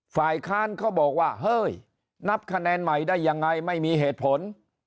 ฝ่ายค้านเขาบอกว่าเฮ้ยนับคะแนนใหม่ได้ยังไงไม่มีเหตุผล